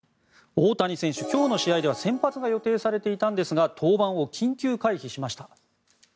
大谷選手、今日の試合で先発が予定されていたんですが登板を緊急回避しました。